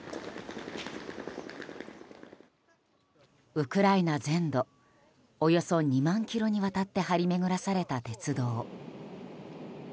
ウクライナ全土およそ２万ｋｍにわたって張り巡らされた鉄道。